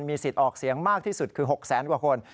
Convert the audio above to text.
สิทธิ์ออกเสียงมากที่สุดคือ๖แสนกว่าคน